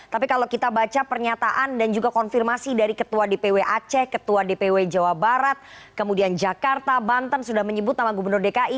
tapi kalau kita baca pernyataan dan juga konfirmasi dari ketua dpw aceh ketua dpw jawa barat kemudian jakarta banten sudah menyebut nama gubernur dki